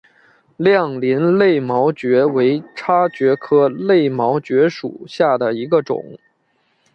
亮鳞肋毛蕨为叉蕨科肋毛蕨属下的一个种。